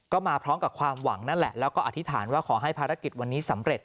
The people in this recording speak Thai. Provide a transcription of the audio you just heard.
ก็มาพร้อมกับความหวังนั่นแหละแล้วก็อธิษฐานว่าขอให้ภารกิจวันนี้สำเร็จ